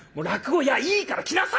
「いやいいから来なさいよ！」